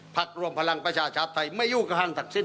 ภักดิ์รวมพลังประชาชาธิ์ไทยไม่ยู่ข้างศักดิ์สิ้น